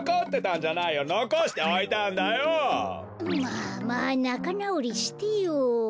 まあまあなかなおりしてよ。